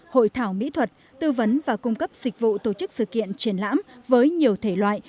hội thảo mỹ thuật tư vấn và cung cấp dịch vụ tổ chức sự kiện triển lãm với nhiều thể loại